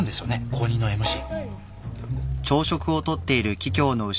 後任のＭＣ。